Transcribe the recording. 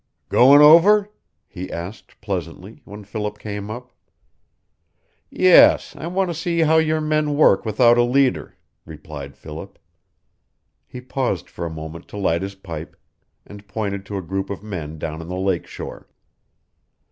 "Goin' over?" he asked, pleasantly, when Philip came up. "Yes. I want to see how your men work without a leader," replied Philip. He paused for a moment to light his pipe, and pointed to a group of men down on the lake shore.